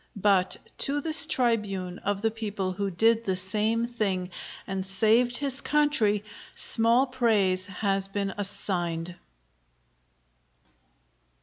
But to this tribune of the people, who did the same thing, and saved his country, small praise has been assigned."